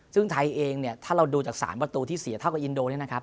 ซึ่งไทยเองถ้าเราดูจาก๓ประตูที่เสียเท่ากับอินโด